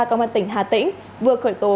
công an tỉnh hà tĩnh vừa khởi tố